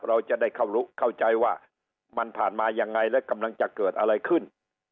เราจะได้เข้าใจว่ามันผ่านมายังไงและกำลังจะเกิดอะไรขึ้น